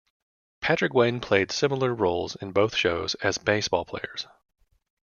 Patrick Wayne played similar roles in both shows as baseball players.